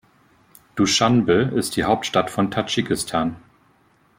Duschanbe ist die Hauptstadt von Tadschikistan.